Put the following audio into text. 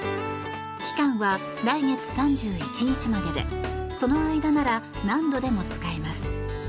期間は来月３１日まででその間なら何度でも使えます。